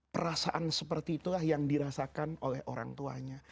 perasaan seperti itulah yang dirasakan oleh orang tuanya